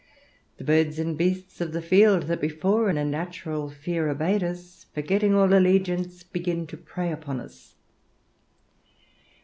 The birds and beasts of the field, that before in a natural fear obeyed us, forgetting all allegiance, begin to prey upon us.